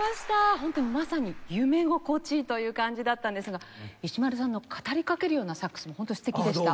ホントにまさに夢心地という感じだったんですが石丸さんの語りかけるようなサックスもホント素敵でした。